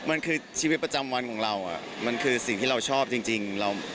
มันคือชีวิตประจำวันของเรามันคือสิ่งที่เราชอบจริง